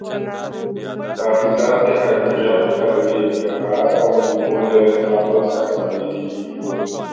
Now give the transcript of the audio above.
دا تیزاب د هایدروجن کلوراید د غاز او اوبو له تعامل څخه تولیدیږي.